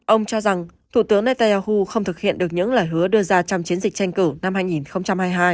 ông cho rằng thủ tướng netanyahu không thực hiện được những lời hứa đưa ra trong chiến dịch tranh cử năm hai nghìn hai mươi hai